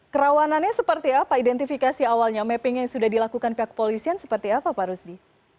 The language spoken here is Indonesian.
kerawanannya seperti apa identifikasi awalnya mapping yang sudah dilakukan pihak kepolisian seperti apa pak rusdi